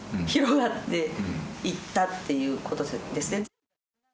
うんいったっていうことですね